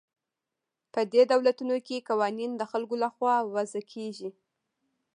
په دې دولتونو کې قوانین د خلکو له خوا وضع کیږي.